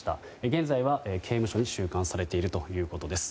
現在は刑務所に収監されているということです。